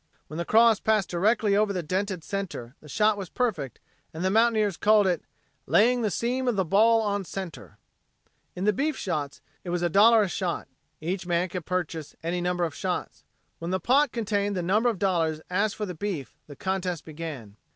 When the cross passed directly over the dented center, the shot was perfect and the mountaineers called it "laying the seam of the ball on center." In the beef shoots it was a dollar a shot. Each man could purchase any number of shots. When the pot contained the number of dollars asked for the beef the contest began.